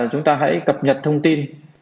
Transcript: chúng ta hãy cập nhật thông tin